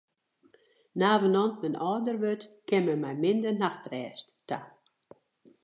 Navenant dat men âlder wurdt, kin men mei minder nachtrêst ta.